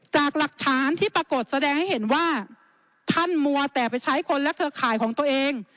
จากหลักฐานที่ปรากฏแสดงให้เห็นว่าท่านมัวแต่ไปใช้คนและเครือข่ายของตัวเอง